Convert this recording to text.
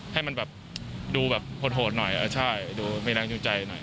ให้มันแบบดูแบบโหดหน่อยใช่ดูมีแรงจูงใจหน่อย